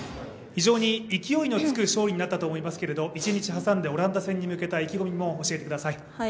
非常に勢いのつく勝利になったと思いますけれども、１日挟んで、オランダ戦に向けた意気込みも教えてください。